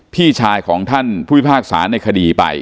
พี่ชายของท่านผู้พิพากษาในคดีไป